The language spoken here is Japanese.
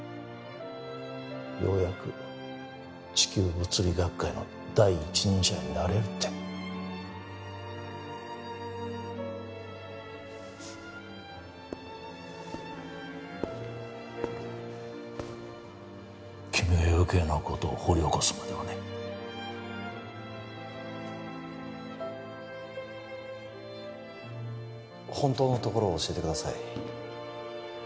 ようやく地球物理学界の第一人者になれるって君が余計なことを掘り起こすまではね本当のところを教えてください